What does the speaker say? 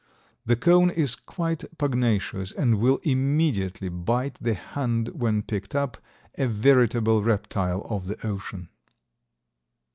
The cone is quite pugnacious and will immediately bite the hand when picked up, a veritable reptile of the ocean.